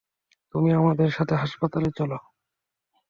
তুমি আমাদের সাথে হাসপাতালে চলো!